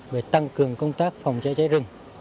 để tăng cường công tác phòng cháy cháy rừng